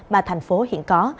mà thành phố hiện có